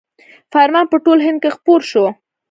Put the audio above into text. فرمان په ټول هند کې خپور شو.